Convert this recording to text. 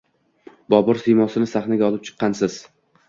Bobur siymosini sahnaga olib chiqqansiz